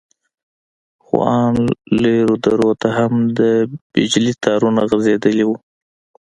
خو ان لرو درو ته هم د بجلي تارونه غځېدلي وو.